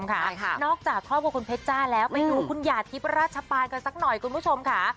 นอกจากความรู้หัวของคุณเพชจ้าไปดูคุณหยาดทิพย์ราชปาลกันสักหน่อยคุณผู้ชมคะ